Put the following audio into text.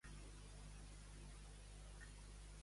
On va instaurar Mínias la metròpoli d'Orcomen?